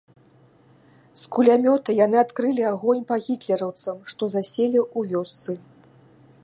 З кулямёта яны адкрылі агонь па гітлераўцам, што заселі ў вёсцы.